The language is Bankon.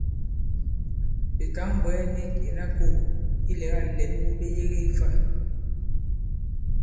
Ɓè tǎŋ-bwɛ̀ɛ nik ìna kō ilɛ̀gâ lɛ̌n wu ɓe yege fâ?